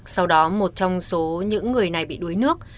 sau đó một trong số những người này bị đuối nước